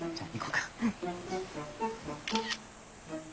うん。